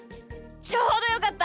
ちょうどよかった。